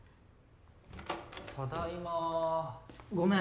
ただいまごめん